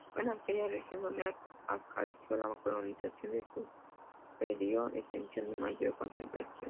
Fue en aquella región donde acaeció la colonización de superior extensión y mayor concentración.